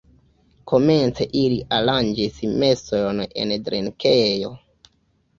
Komence ili aranĝis mesojn en drinkejo.